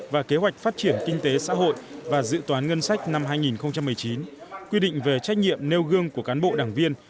và kế hoạch phát triển kinh tế xã hội và dự toán ngân sách năm hai nghìn một mươi chín quy định về trách nhiệm nêu gương của cán bộ đảng viên